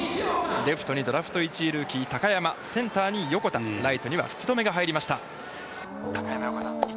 レフトにドラフト１位ルーキー・山センターに横田ライトには福留が入りましたテレビ「山・横田１・２番です」